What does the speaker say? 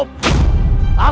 aku tidak percaya padamu